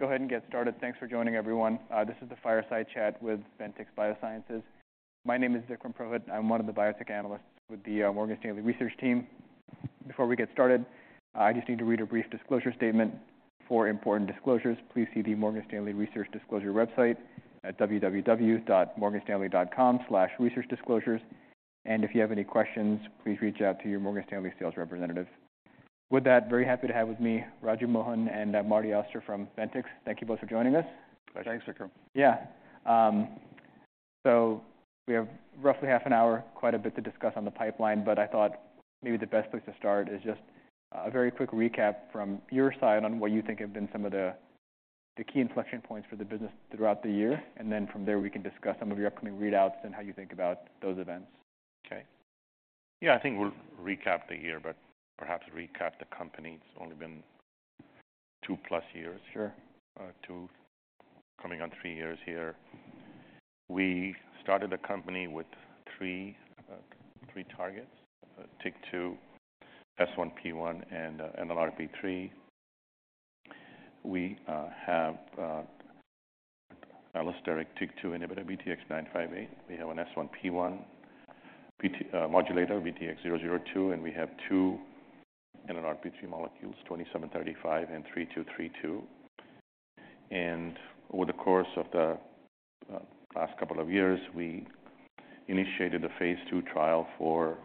Let's go ahead and get started. Thanks for joining everyone. This is the Fireside Chat with Ventyx Biosciences. My name is Vikram Purohit. I'm one of the biotech analysts with the Morgan Stanley research team. Before we get started, I just need to read a brief disclosure statement. For important disclosures, please see the Morgan Stanley Research Disclosure website at www.morganstanley.com/researchdisclosures. If you have any questions, please reach out to your Morgan Stanley sales representative. With that, very happy to have with me, Raju Mohan and Marty Auster from Ventyx. Thank you both for joining us. Pleasure. Thanks, Vikram. Yeah. So we have roughly half an hour, quite a bit to discuss on the pipeline, but I thought maybe the best place to start is just a very quick recap from your side on what you think have been some of the key inflection points for the business throughout the year. Then from there, we can discuss some of your upcoming readouts and how you think about those events. Okay. Yeah, I think we'll recap the year, but perhaps recap the company. It's only been 2+ years. Sure. Two coming on three years here. We started the company with three targets, TYK2, S1P1, and NLRP3. We have an allosteric TYK2 inhibitor, VTX958. We have an S1P1R modulator, VTX002, and we have two NLRP3 molecules, 2735 and 3232. Over the course of the last couple of years, we initiated a phase II trial for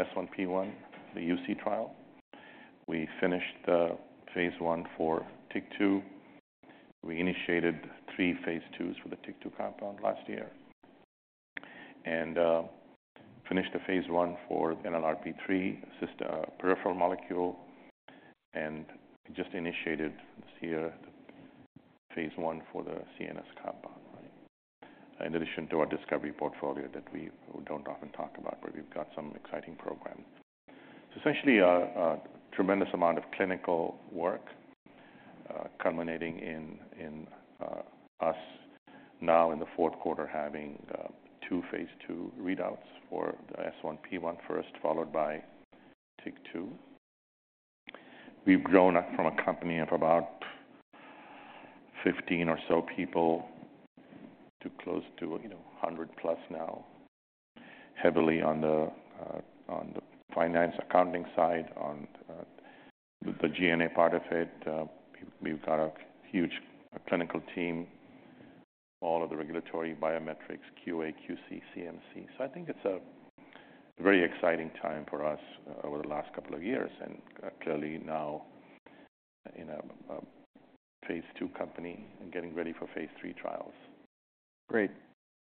S1P1, the UC trial. We finished the phase I for TYK2. We initiated three phase IIs for the TYK2 compound last year, and finished the phase I for NLRP3 peripheral molecule, and just initiated this year, phase I for the CNS compound. In addition to our discovery portfolio that we don't often talk about, but we've got some exciting programs. So essentially a tremendous amount of clinical work, culminating in us now in the Q4, having two phase II readouts for the S1P1 first, followed by TYK2. We've grown up from a company of about 15 or so people to close to, you know, 100+ now, heavily on the finance accounting side, on the G&A part of it. We've got a huge clinical team, all of the regulatory biometrics, QA, QC, CMC. So I think it's a very exciting time for us over the last couple of years, and clearly now in a phase II company and getting ready for phase III trials. Great.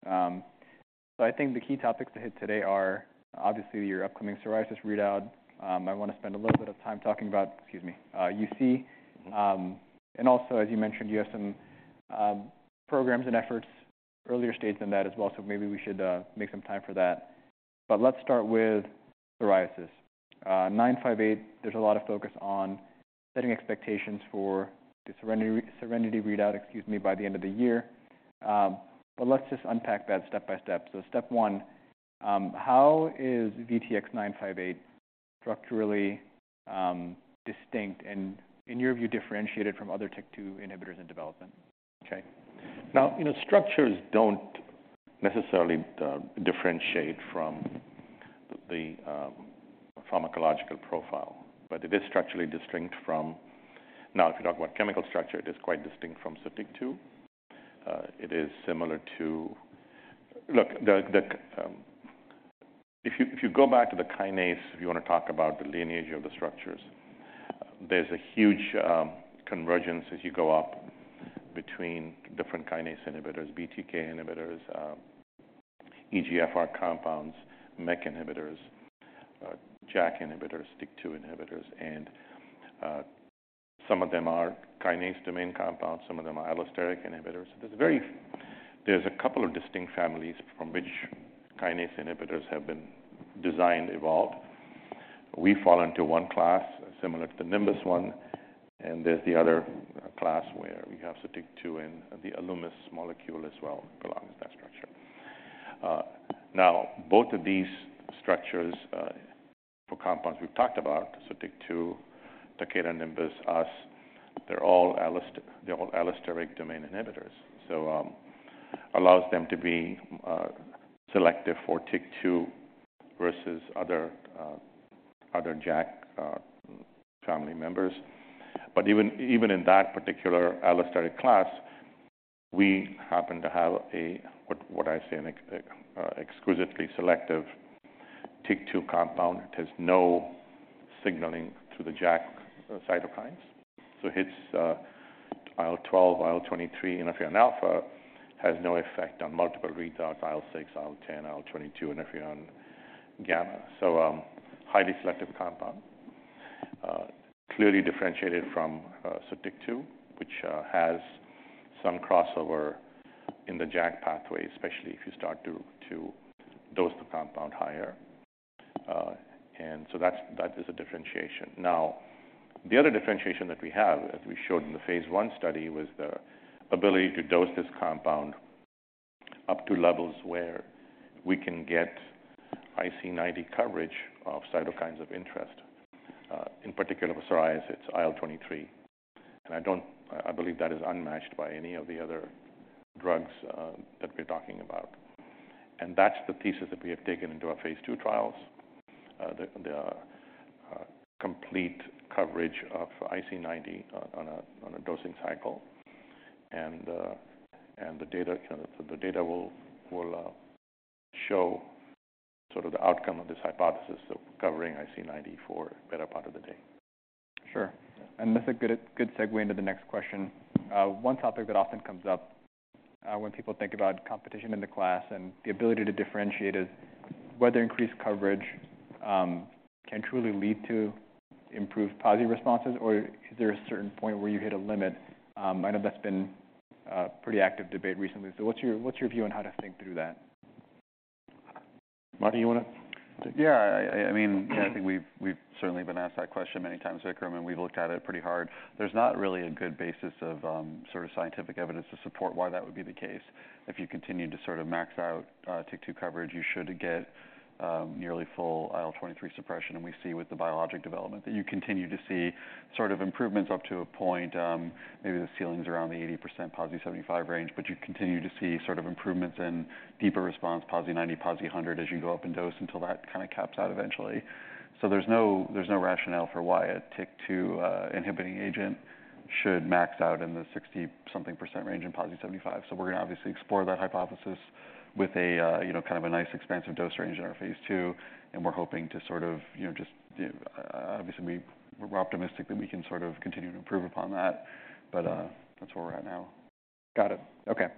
So I think the key topics to hit today are obviously your upcoming psoriasis readout. I want to spend a little bit of time talking about, excuse me, UC. And also, as you mentioned, you have some programs and efforts, earlier stage than that as well. So maybe we should make some time for that. But let's start with psoriasis. 958, there's a lot of focus on setting expectations for the SERENITY readout, excuse me, by the end of the year. But let's just unpack that step by step. So step one, how is VTX958 structurally distinct and in your view, differentiated from other TYK2 inhibitors in development? Okay. Now, you know, structures don't necessarily differentiate from the pharmacological profile, but it is structurally distinct from. Now, if you talk about chemical structure, it is quite distinct from Sotyktu. It is similar to. Look, if you go back to the kinase, if you want to talk about the lineage of the structures, there's a huge convergence as you go up between different kinase inhibitors, BTK inhibitors, EGFR compounds, MEK inhibitors, JAK inhibitors, TYK2 inhibitors, and some of them are kinase domain compounds, some of them are allosteric inhibitors. There's a couple of distinct families from which kinase inhibitors have been designed, evolved. We fall into one class similar to the Nimbus one, and there's the other class where we have Sotyktu and the Alumis molecule as well, belongs to that structure. Now, both of these structures for compounds we've talked about, Sotyktu, Takeda, Nimbus, us, they're all allosteric, they're all allosteric domain inhibitors. So, allows them to be selective for TYK2 versus other other JAK family members. But even, even in that particular allosteric class, we happen to have a, what, what I say, an exquisitely selective TYK2 compound. It has no signaling to the JAK cytokines. So it hits IL-12, IL-23. Interferon alpha has no effect on multiple readouts, IL-6, IL-10, IL-22, interferon gamma. So, highly selective compound, clearly differentiated from Sotyktu, which has some crossover in the JAK pathway, especially if you start to dose the compound higher. And so that's, that is a differentiation. Now, the other differentiation that we have, as we showed in the phase I study, was the ability to dose this compound up to levels where we can get IC90 coverage of cytokines of interest. In particular, for psoriasis, it's IL-23, and I don't believe that is unmatched by any of the other drugs that we're talking about. And that's the thesis that we have taken into our phase II trials. The complete coverage of IC90 on a dosing cycle, and the data will show sort of the outcome of this hypothesis, so covering IC90 for better part of the day. Sure, and that's a good, good segue into the next question. One topic that often comes up, when people think about competition in the class and the ability to differentiate is whether increased coverage, can truly lead to improved positive responses, or is there a certain point where you hit a limit? I know that's been a pretty active debate recently. So what's your view on how to think through that? Marty, you want to take? Yeah, I mean, I think we've certainly been asked that question many times, Vikram, and we've looked at it pretty hard. There's not really a good basis of sort of scientific evidence to support why that would be the case. If you continue to sort of max out TYK2 coverage, you should get nearly full IL-23 suppression. And we see with the biologic development, that you continue to see sort of improvements up to a point, maybe the ceiling's around the 80% PASI 75 range, but you continue to see sort of improvements in deeper response, PASI 90, PASI 100, as you go up in dose, until that kind of caps out eventually. So there's no rationale for why a TYK2 inhibiting agent should max out in the 60-something% range in PASI 75. So we're going to obviously explore that hypothesis with a, you know, kind of a nice expansive dose range in our phase II, and we're hoping to sort of, you know, just. Obviously, we're optimistic that we can sort of continue to improve upon that, but that's where we're at now. Got it. Okay.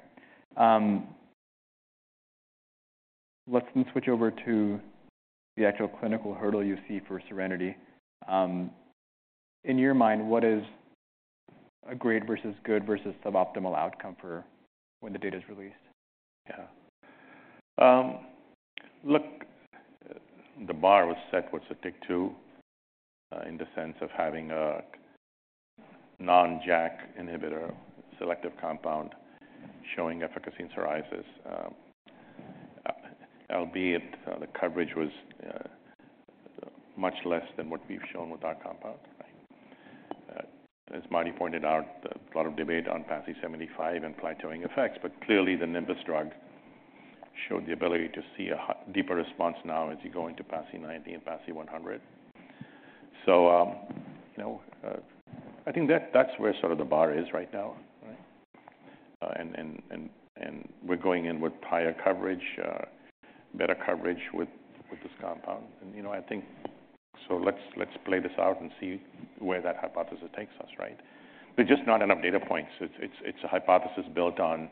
Let's then switch over to the actual clinical hurdle you see for SERENITY. In your mind, what is a great versus good versus suboptimal outcome for when the data is released? Yeah. Look, the bar was set with the TYK2, in the sense of having a non-JAK inhibitor selective compound showing efficacy in psoriasis, albeit, the coverage was much less than what we've shown with our compound. Right. As Marty pointed out, a lot of debate on PASI 75 and plateauing effects, but clearly the Nimbus drug showed the ability to see a deeper response now as you go into PASI 90 and PASI 100. So, you know, I think that's where sort of the bar is right now, right? And we're going in with higher coverage, better coverage with this compound. And, you know, I think... So let's play this out and see where that hypothesis takes us, right? There's just not enough data points. It's a hypothesis built on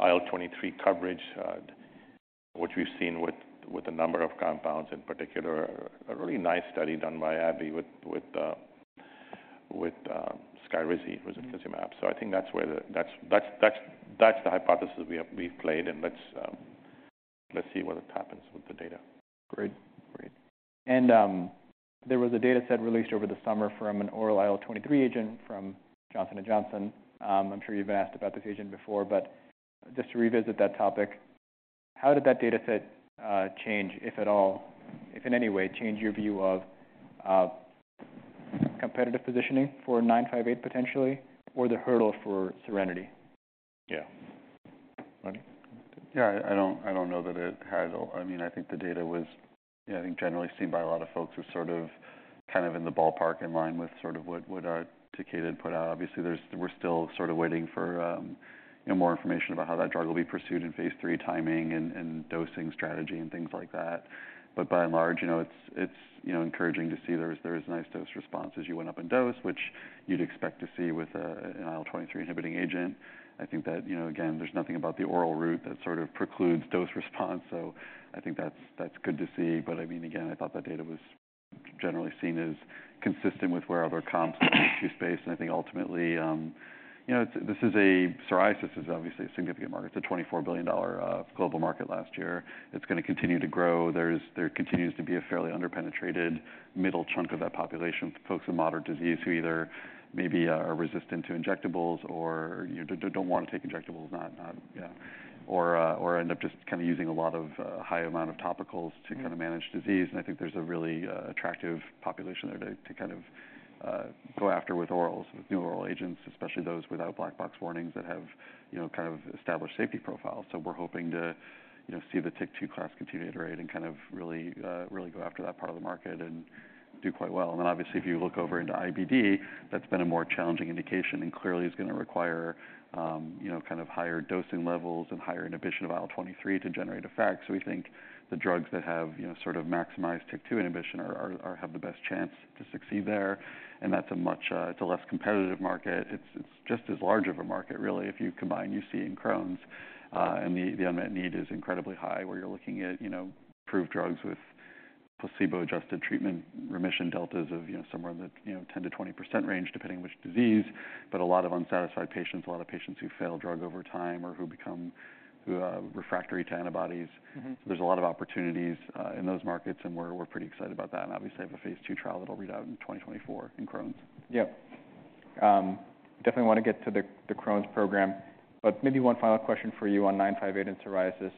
IL-23 coverage, which we've seen with a number of compounds, in particular, a really nice study done by AbbVie with Skyrizi, risankizumab. So I think that's where the... That's the hypothesis we have—we've played, and let's see what happens with the data. Great. Great. And there was a data set released over the summer from an oral IL-23 agent from Johnson & Johnson. I'm sure you've been asked about this agent before, but just to revisit that topic, how did that data set change, if at all, if in any way, change your view of, of competitive positioning for VTX958, potentially, or the hurdle for SERENITY? Yeah. Marty? Yeah, I don't know that it has. I mean, I think the data was generally seen by a lot of folks who sort of, kind of in the ballpark in line with sort of what Takeda had put out. Obviously, we're still sort of waiting for, you know, more information about how that drug will be pursued in phase III timing and dosing strategy and things like that. But by and large, you know, it's encouraging to see there is nice dose responses as you went up in dose, which you'd expect to see with an IL-23 inhibiting agent. I think that, you know, again, there's nothing about the oral route that sort of precludes dose response. So I think that's good to see. But I mean, again, I thought that data was generally seen as consistent with where other comps in the space, and I think ultimately, you know, Psoriasis is obviously a significant market. It's a $24 billion global market last year. It's going to continue to grow. There continues to be a fairly underpenetrated middle chunk of that population, folks with moderate disease who either maybe are resistant to injectables or, you know, don't want to take injectables, not yeah, or end up just kind of using a lot of high amount of topicals to kind of manage disease. And I think there's a really attractive population there to kind of go after with orals, with new oral agents, especially those without black box warnings that have, you know, kind of established safety profiles. So we're hoping to, you know, see the TYK2 class continue to iterate and kind of really go after that part of the market and do quite well. And then, obviously, if you look over into IBD, that's been a more challenging indication, and clearly is going to require, you know, kind of higher dosing levels and higher inhibition of IL-23 to generate effects. So we think the drugs that have, you know, sort of maximized TYK2 inhibition have the best chance to succeed there, and that's a much, it's a less competitive market. It's just as large of a market, really, if you combine UC and Crohn's, and the unmet need is incredibly high, where you're looking at, you know, approved drugs with placebo-adjusted treatment remission deltas of, you know, somewhere in the 10%-20% range, depending on which disease. But a lot of unsatisfied patients, a lot of patients who fail drug over time or who become refractory to antibodies. Mm-hmm. There's a lot of opportunities in those markets, and we're pretty excited about that. And obviously, have a phase II trial that'll read out in 2024 in Crohn's. Definitely want to get to the Crohn's program, but maybe one final question for you on 958 and psoriasis.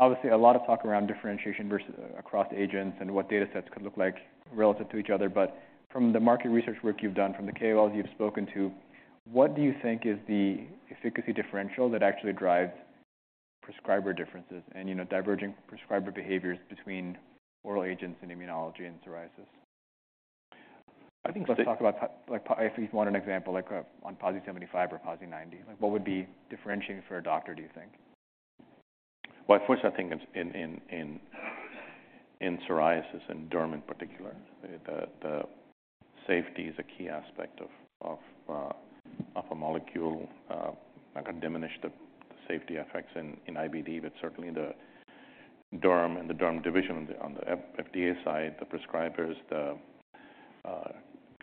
Obviously, a lot of talk around differentiation versus across agents and what data sets could look like relative to each other, but from the market research work you've done, from the KOLs you've spoken to, what do you think is the efficacy differential that actually drives prescriber differences and, you know, diverging prescriber behaviors between oral agents and immunology in psoriasis? I think let's talk about like, if you want an example, like on PASI 75 or PASI 90, like what would be differentiating for a doctor, do you think? Well, first, I think it's in psoriasis and derm in particular, the safety is a key aspect of a molecule. I can diminish the safety effects in IBD, but certainly in the derm division on the FDA side, the prescribers, the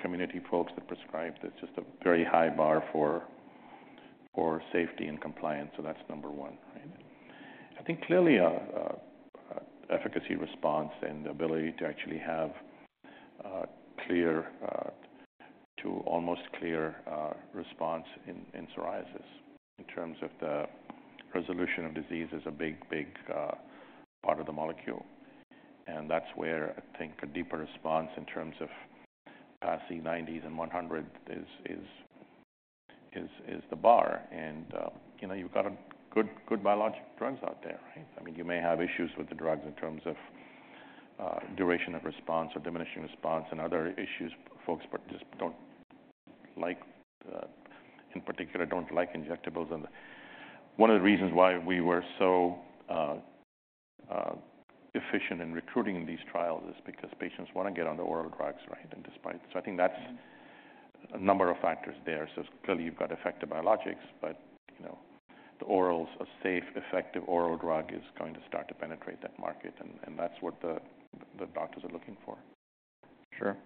community folks that prescribe, there's just a very high bar for safety and compliance. So that's number one, right? I think clearly, efficacy, response, and the ability to actually have a clear, to almost clear, response in psoriasis in terms of the resolution of disease is a big part of the molecule. And that's where I think a deeper response in terms of PASI 90 and 100 is the bar. And, you know, you've got good biologic drugs out there, right? I mean, you may have issues with the drugs in terms of, duration of response or diminishing response and other issues, folks, but just don't like, in particular, don't like injectables. And one of the reasons why we were so, efficient in recruiting these trials is because patients want to get on the oral drugs, right, and despite. So I think that's a number of factors there. So clearly, you've got effective biologics, but, you know, the orals, a safe, effective oral drug is going to start to penetrate that market, and, and that's what the, the doctors are looking for. Sure.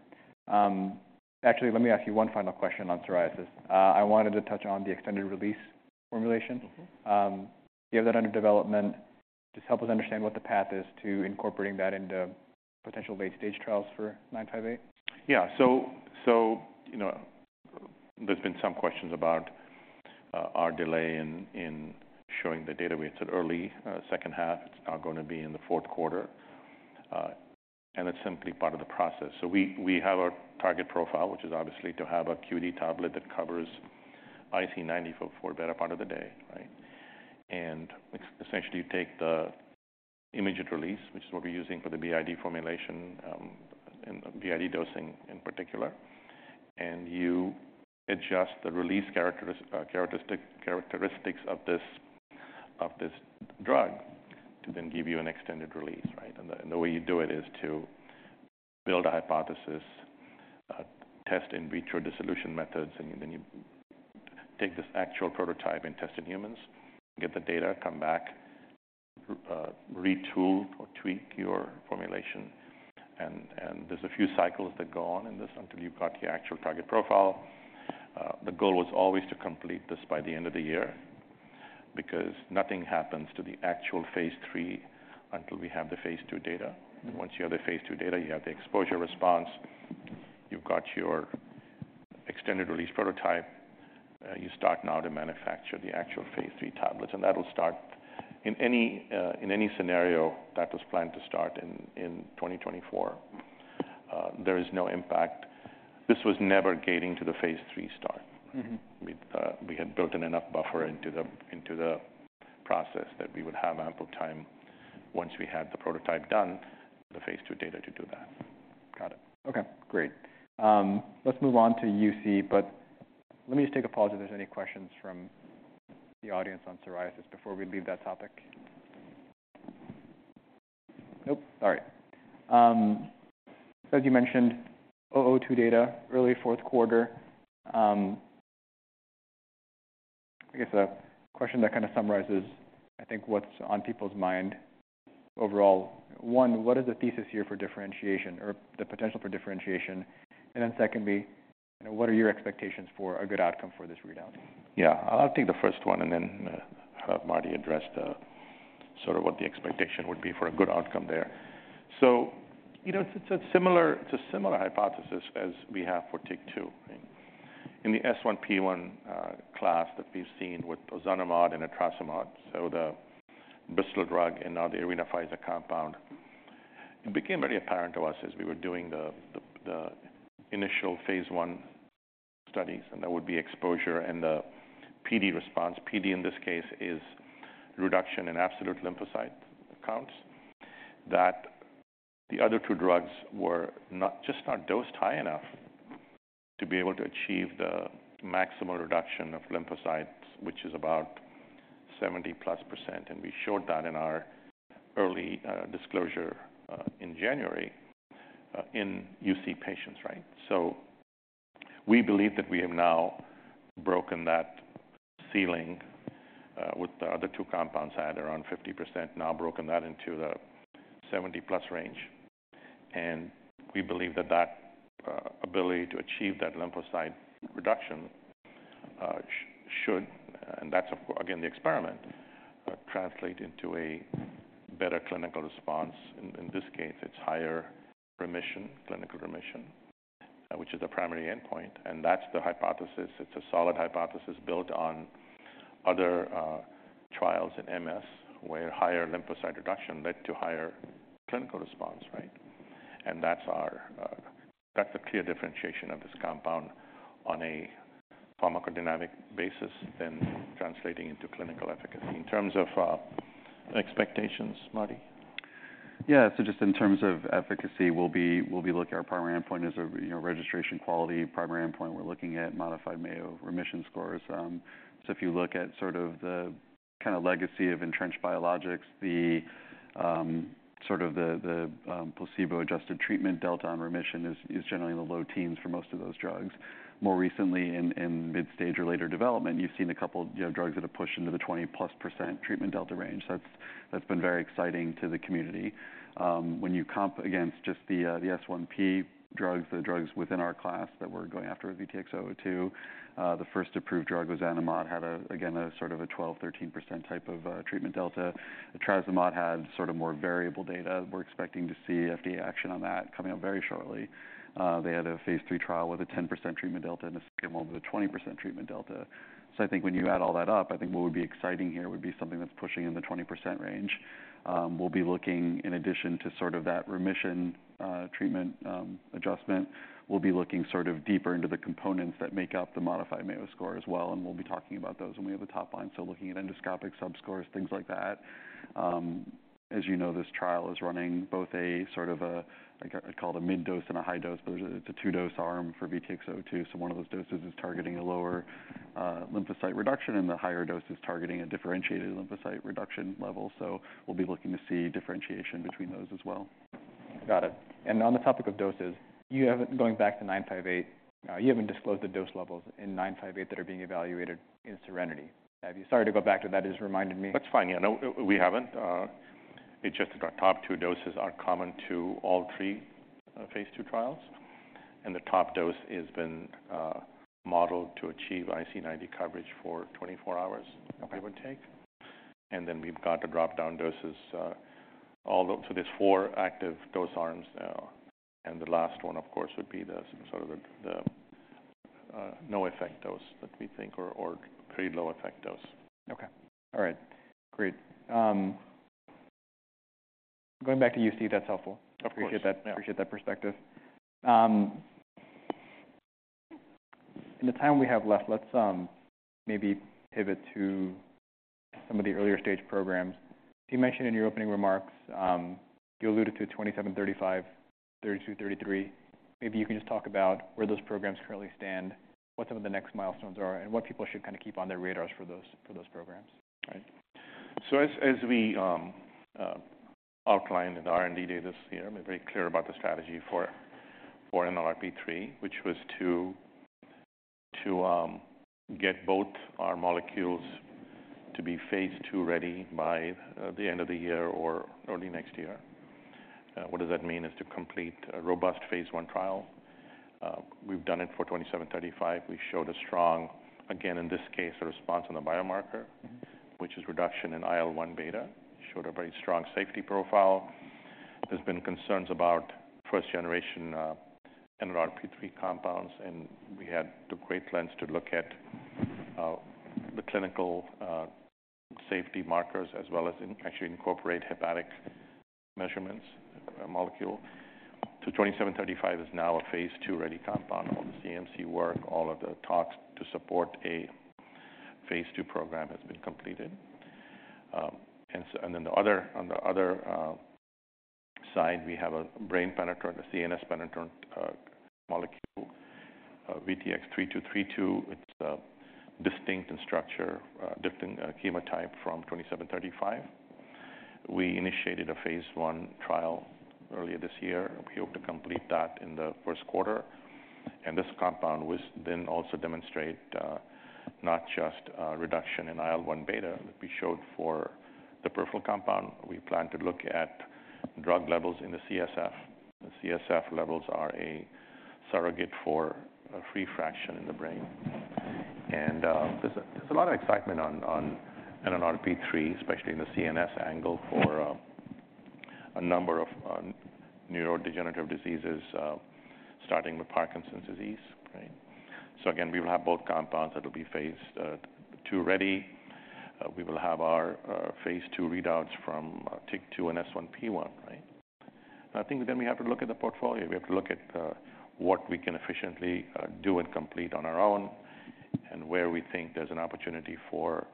Actually, let me ask you one final question on psoriasis. I wanted to touch on the extended release formulation. Mm-hmm. You have that under development. Just help us understand what the path is to incorporating that into potential late-stage trials for 958. Yeah. So, you know, there's been some questions about our delay in showing the data. We said early H2, it's now gonna be in the Q4, and it's simply part of the process. So we have our target profile, which is obviously to have a QD tablet that covers IC90 for the better part of the day, right? And essentially, you take the immediate release, which is what we're using for the BID formulation, and BID dosing in particular, and you adjust the release characteristics of this drug to then give you an extended release, right? And the way you do it is to build a hypothesis, test in vitro dissolution methods, and then you take this actual prototype and test in humans, get the data, come back, retool or tweak your formulation. And there's a few cycles that go on in this until you've got the actual target profile. The goal was always to complete this by the end of the year because nothing happens to the actual phase III until we have the phase II data. Mm-hmm. Once you have the phase II data, you have the exposure response, you've got your extended release prototype, you start now to manufacture the actual phase III tablets, and that'll start in any scenario, that was planned to start in 2024. There is no impact. This was never gating to the phase III start. Mm-hmm. We had built in enough buffer into the process that we would have ample time once we had the prototype done, the phase II data to do that. Got it. Okay, great. Let's move on to UC, but let me just take a pause if there's any questions from the audience on psoriasis before we leave that topic. Nope? All right. As you mentioned, VTX002 data, early Q4. I guess a question that kind of summarizes, I think, what's on people's mind overall. One, what is the thesis here for differentiation or the potential for differentiation? And then secondly, what are your expectations for a good outcome for this readout? Yeah, I'll take the first one and then have Marty address the sort of what the expectation would be for a good outcome there. So, you know, it's a similar hypothesis as we have for TYK2. In the S1P1, class that we've seen with ozanimod and etrasimod. So the Bristol drug and now the Arena Pfizer compound, it became very apparent to us as we were doing the initial phase I studies, and that would be exposure and the PD response. PD, in this case, is reduction in absolute lymphocyte counts, that the other two drugs were just not dosed high enough to be able to achieve the maximal reduction of lymphocytes, which is about 70%+, and we showed that in our early disclosure in January in UC patients, right? So we believe that we have now broken that ceiling with the other two compounds at around 50%, now broken that into the 70%+ range. And we believe that ability to achieve that lymphocyte reduction should, and that's of course again translate into a better clinical response. In this case, it's higher remission, clinical remission, which is the primary endpoint, and that's the hypothesis. It's a solid hypothesis built on other trials in MS, where higher lymphocyte reduction led to higher clinical response, right? And that's our, that's a clear differentiation of this compound on a pharmacodynamic basis, then translating into clinical efficacy. In terms of expectations, Marty? Yeah. So just in terms of efficacy, we'll be looking at our primary endpoint as a, you know, registration quality primary endpoint. We're looking at Modified Mayo Remission Scores. So if you look at sort of the kind of legacy of entrenched biologics, the placebo-adjusted treatment delta on remission is generally in the low teens for most of those drugs. More recently, in mid-stage or later development, you've seen a couple, you know, drugs that have pushed into the 20%+ treatment delta range. So that's been very exciting to the community. When you comp against just the S1P drugs, the drugs within our class that we're going after with VTX002, the first approved drug, ozanimod, had, again, a sort of a 12%, 13% type of treatment delta. The trial ozanimod had sort of more variable data. We're expecting to see FDA action on that coming up very shortly. They had a phase III trial with a 10% treatment delta, and the second one with a 20% treatment delta. So I think when you add all that up, I think what would be exciting here would be something that's pushing in the 20% range. We'll be looking in addition to sort of that remission, treatment, adjustment. We'll be looking sort of deeper into the components that make up the Modified Mayo Score as well, and we'll be talking about those when we have the top line. So looking at endoscopic subscores, things like that. As you know, this trial is running both a sort of a mid dose and a high dose, but it's a two-dose arm for VTX002. So one of those doses is targeting a lower, lymphocyte reduction, and the higher dose is targeting a differentiated lymphocyte reduction level. So we'll be looking to see differentiation between those as well. Got it. And on the topic of doses, you haven't, going back to 958, you haven't disclosed the dose levels in 958 that are being evaluated in SERENITY. Have you... Sorry to go back to that, it has reminded me. That's fine. Yeah, no, we haven't. It's just that our top two doses are common to all three, phase II trials, and the top dose has been, modeled to achieve IC90 coverage for 24 hours, okay, with take. And then we've got to drop down doses, all the... So there's four active dose arms now, and the last one, of course, would be the sort of the no effect dose that we think or pretty low effect dose. Okay. All right, great. Going back to you, Steve, that's helpful. Of course. Appreciate that. Yeah. Appreciate that perspective. In the time we have left, let's maybe pivot to some of the earlier stage programs. You mentioned in your opening remarks, you alluded to VTX2735, VTX3232. Maybe you can just talk about where those programs currently stand, what some of the next milestones are, and what people should kind of keep on their radars for those, for those programs. Right. So as we outlined in the R&D data this year, we're very clear about the strategy for NLRP3, which was to get both our molecules to be phase II-ready by the end of the year or early next year. What does that mean? Is to complete a robust phase I trial. We've done it for 2735. We showed a strong, again, in this case, a response on the biomarker, Mm-hmm, which is reduction in IL-1 beta, showed a very strong safety profile. There's been concerns about first generation NLRP3 compounds, and we had the great plans to look at the clinical safety markers, as well as in actually incorporate hepatic measurements, molecule. So 2735 is now a phase II-ready compound. All the CMC work, all of the talks to support a phase II program has been completed. On the other side, we have a brain penetrant, a CNS penetrant molecule, VTX3232. It's a distinct in structure, different chemotype from VTX2735. We initiated a phase I trial earlier this year. We hope to complete that in the Q1, and this compound was then also demonstrate not just reduction in IL-1 beta that we showed for the peripheral compound. We plan to look at drug levels in the CSF. The CSF levels are a surrogate for a free fraction in the brain. There's a lot of excitement on NLRP3, especially in the CNS angle for a number of neurodegenerative diseases, starting with Parkinson's disease, right? Again, we will have both compounds that will be phase II ready. We will have our phase II readouts from TYK2 and S1P1, right? I think then we have to look at the portfolio. We have to look at what we can efficiently do and complete on our own and where we think there's an opportunity for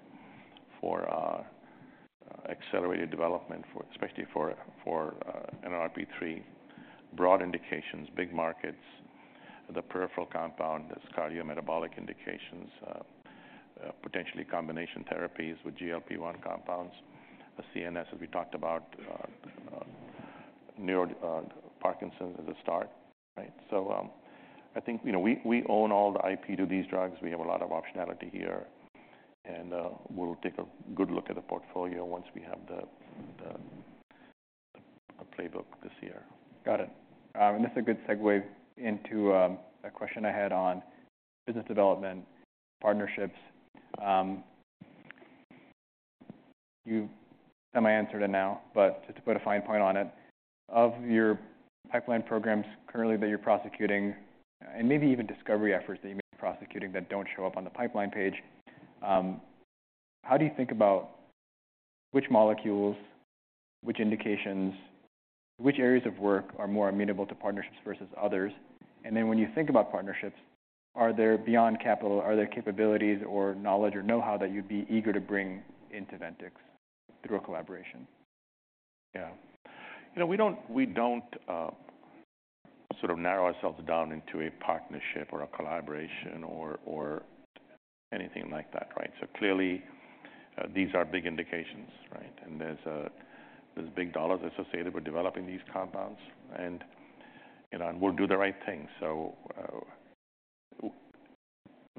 accelerated development for... especially for NLRP3, broad indications, big markets, the peripheral compound, that's cardiometabolic indications, potentially combination therapies with GLP-1 compounds. The CNS, as we talked about, neuro, Parkinson's is a start, right? I think, you know, we own all the IP to these drugs. We have a lot of optionality here, and we'll take a good look at the portfolio once we have the playbook this year. Got it. And this is a good segue into, a question I had on business development, partnerships. You've semi-answered it now, but just to put a fine point on it, of your pipeline programs currently that you're prosecuting, and maybe even discovery efforts that you've been prosecuting that don't show up on the pipeline page, how do you think about which molecules, which indications, which areas of work are more amenable to partnerships versus others? And then when you think about partnerships, are there beyond capital, are there capabilities or knowledge or know-how that you'd be eager to bring into Ventyx through a collaboration? Yeah. You know, we don't, we don't sort of narrow ourselves down into a partnership or a collaboration or, or anything like that, right? So clearly, these are big indications, right? And there's, there's big dollars associated with developing these compounds and, you know, and we'll do the right thing. So,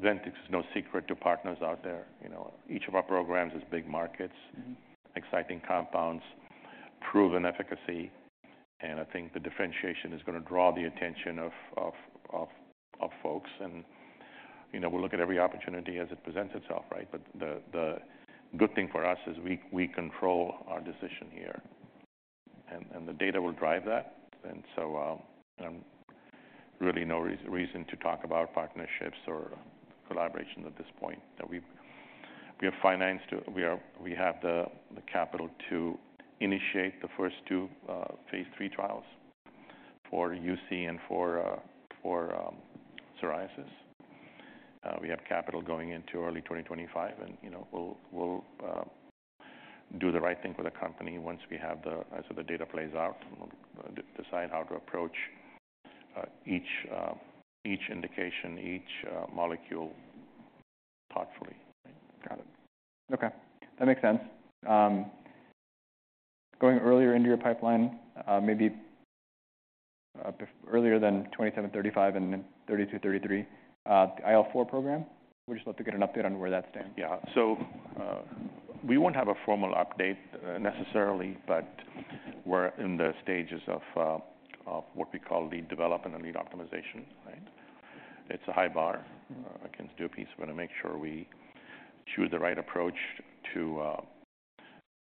Ventyx is no secret to partners out there. You know, each of our programs is big markets- Mm-hmm. exciting compounds, proven efficacy, and I think the differentiation is gonna draw the attention of folks. And, you know, we'll look at every opportunity as it presents itself, right? But the good thing for us is we control our decision here, and the data will drive that. And so, really no reason to talk about partnerships or collaborations at this point. We have the capital to initiate the first two phase III trials for UC and for psoriasis. We have capital going into early 2025, and, you know, we'll do the right thing for the company once we have the... As the data plays out, we'll decide how to approach each indication, each molecule thoughtfully. Got it. Okay, that makes sense. Going earlier into your pipeline, maybe earlier than 2735 and then 32, 33, IL-4 program, we'd just love to get an update on where that stands. Yeah. So, we won't have a formal update, necessarily, but we're in the stages of, of what we call lead development and lead optimization, right? It's a high bar against DUPIXENT. We're gonna make sure we choose the right approach to,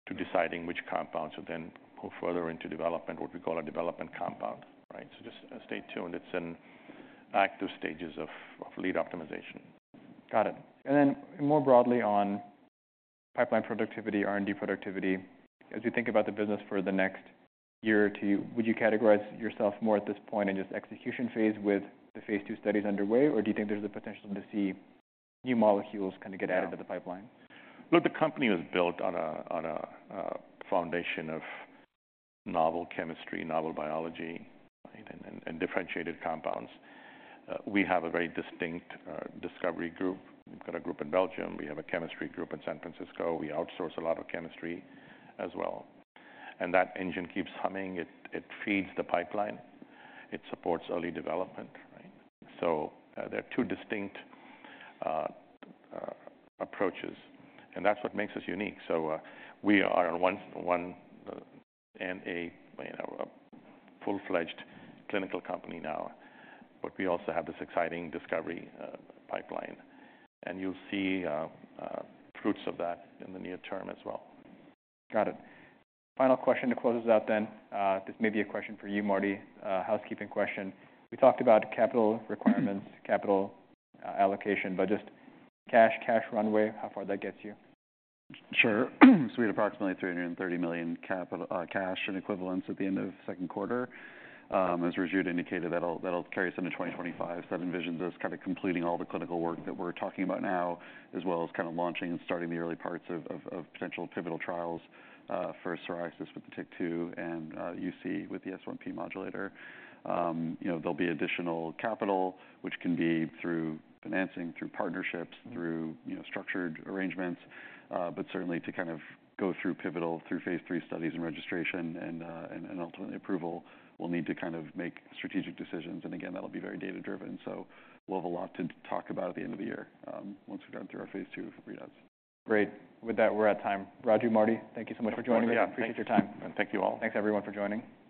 to deciding which compounds will then go further into development, what we call a development compound, right? So just stay tuned. It's in active stages of, of lead optimization. Got it. And then more broadly on pipeline productivity, R&D productivity, as you think about the business for the next year or two, would you categorize yourself more at this point in just execution phase with the phase II studies underway, or do you think there's the potential to see new molecules kind of get added to the pipeline? Look, the company was built on a foundation of novel chemistry, novel biology, and differentiated compounds. We have a very distinct discovery group. We've got a group in Belgium, we have a chemistry group in San Francisco. We outsource a lot of chemistry as well, and that engine keeps humming. It feeds the pipeline, it supports early development, right? So, there are two distinct approaches, and that's what makes us unique. So, we are on one, you know, a full-fledged clinical company now, but we also have this exciting discovery pipeline, and you'll see fruits of that in the near term as well. Got it. Final question to close us out then. This may be a question for you, Marty. Housekeeping question. We talked about capital requirements, capital allocation, but just cash, cash runway, how far that gets you? Sure. So we had approximately $330 million capital, cash and equivalents at the end of the Q2. As Raju indicated, that'll carry us into 2025. So that envisions us kind of completing all the clinical work that we're talking about now, as well as kind of launching and starting the early parts of potential pivotal trials for psoriasis with the TYK2 and UC with the S1P modulator. You know, there'll be additional capital, which can be through financing, through partnerships- Mm-hmm. through, you know, structured arrangements. But certainly to kind of go through pivotal, through phase III studies and registration and ultimately approval, we'll need to kind of make strategic decisions. And again, that'll be very data-driven. So we'll have a lot to talk about at the end of the year, once we've gone through our phase II readouts. Great. With that, we're at time. Raju, Marty, thank you so much for joining me. Yeah. Appreciate your time. Thank you all. Thanks, everyone, for joining.